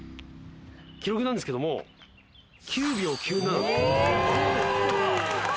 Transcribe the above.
記録なんですけども９秒９７。